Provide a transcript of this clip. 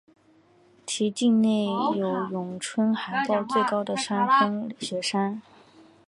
其境内有永春海报最高的山峰雪山。